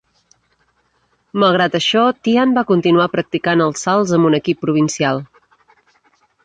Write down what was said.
Malgrat això, Tian va continuar practicant els salts amb un equip provincial.